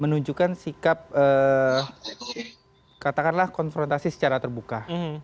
menunjukkan sikap katakanlah konfrontasi secara terbuka